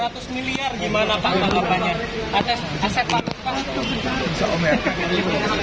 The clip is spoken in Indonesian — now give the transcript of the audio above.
tidak punya hotel